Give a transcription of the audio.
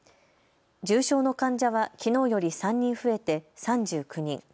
重症の患者はきのうより３人増えて３９人。